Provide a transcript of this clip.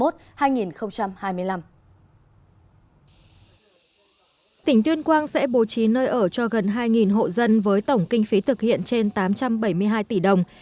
tỉnh tuyên quang sẽ bố trí nơi ở cho gần hai hộ dân với tổng kinh phí thực hiện trên tám trăm bảy mươi hai tỷ đồng